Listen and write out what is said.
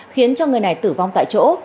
khiến cho người này tử vong tại chỗ